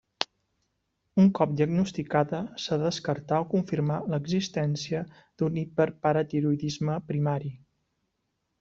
Un cop diagnosticada, s'ha de descartar o confirmar l'existència d'un hiperparatiroïdisme primari.